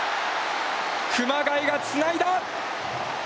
熊谷がつないだ。